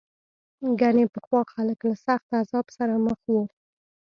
ګنې پخوا خلک له سخت عذاب سره مخ وو.